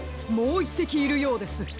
もう１せきいるようです。